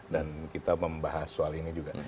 dan kita membahas soal ini juga